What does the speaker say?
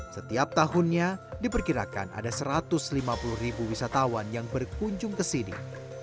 setiap tahunnya diperkirakan ada satu ratus lima puluh wisatawan yang berkunjung kesini